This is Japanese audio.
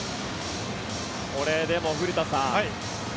これ、でも古田さん